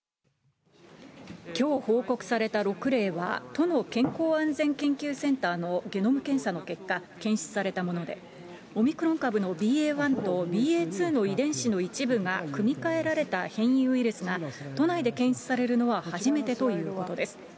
きょう報告された６例は、都の健康安全研究センターのゲノム検査の結果、検出されたもので、オミクロン株のＢＡ．１とＢＡ．２の遺伝子の一部が組み換えられた変異ウイルスが、都内で検出されるのは初めてということです。